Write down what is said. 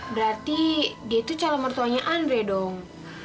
berarti dia itu calon mertuanya andre dong